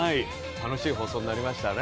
楽しい放送になりましたね。